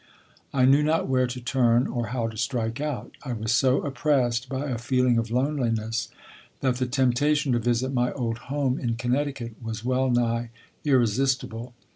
I knew not where to turn or how to strike out. I was so oppressed by a feeling of loneliness that the temptation to visit my old home in Connecticut was well nigh irresistible.